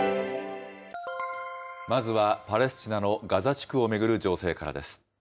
まずはパレスチナのガザ地区を巡る情勢からです。